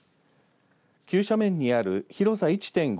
急斜面にある広さ１．５